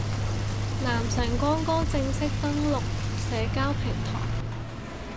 男神光哥正式登陸社交平台